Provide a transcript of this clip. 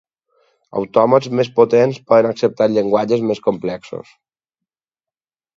Autòmats més potents poden acceptar llenguatges més complexos.